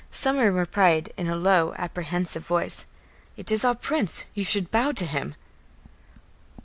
Someone replied in a low, apprehensive voice: "It is our prince; you should bow to him."